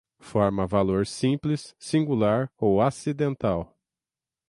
Forma-valor simples, singular ou acidental